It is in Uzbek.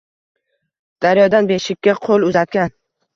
Daryodan beshikka qo‘l uzatgan